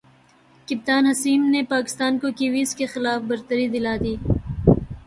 کپتان حسیم نے پاکستان کو کیویز کے خلاف برتری دلا دی